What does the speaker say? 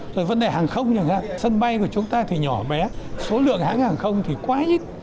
rồi vấn đề hàng không chẳng hạn sân bay của chúng ta thì nhỏ bé số lượng hãng hàng không thì quá ít